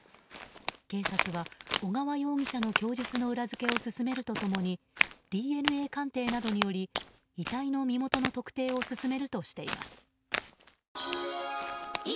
警察は小川容疑者の供述の裏付けを進めると共にＤＮＡ鑑定などにより遺体の身元の特定を進めるとしています。